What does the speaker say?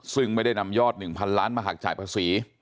ซึ่งไม่ได้นำยอด๑๐๐ล้านมาหักจ่ายภาษี